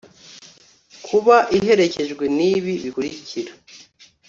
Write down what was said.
Kuba iherekejwe n ibi bikurikira